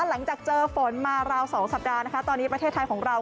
หลังจากเจอฝนมาราว๒สัปดาห์นะคะตอนนี้ประเทศไทยของเรา